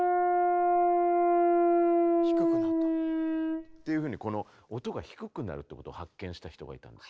低くなった。っていうふうに音が低くなることを発見した人がいたんです。